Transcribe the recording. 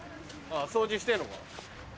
あぁ掃除してんのか。